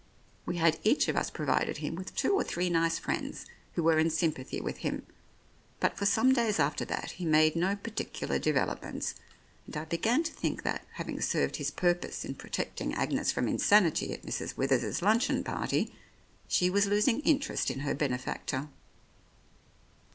We had each of us provided him with two or three nice friends, who were in sympathy with him, but for some days after that he made no particular develop ments, and I began to think that, having served his purpose in protecting Agnes from insanity at Mrs. Withers's luncheon party, she was losing interest in her benefactor.